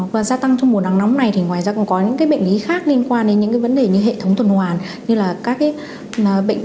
và gia tăng trong mùa nắng nóng này thì ngoài ra còn có những bệnh lý khác liên quan đến những vấn đề như hệ thống tuần hoàn